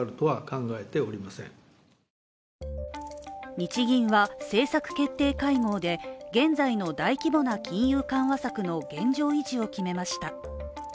日銀は政策決定会合で現在の大規模な金融緩和策の現状維持を決めました。